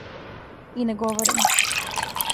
И не говоримо.